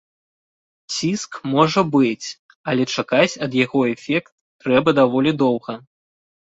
Ціск можа быць, але чакаць ад яго эфект трэба даволі доўга.